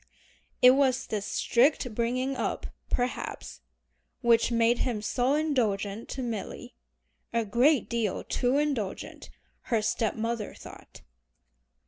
It was this strict bringing up, perhaps, which made him so indulgent to Milly, a great deal too indulgent her step mother thought.